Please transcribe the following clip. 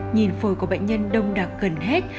nhìn phổi của bệnh nhân đông đặc gần hết